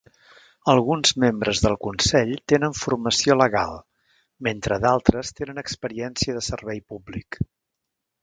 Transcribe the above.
Alguns membres del consell tenen formació legal mentre d'altres tenen experiència de servei públic.